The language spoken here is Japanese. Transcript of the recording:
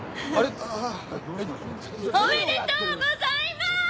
おめでとうございまーす！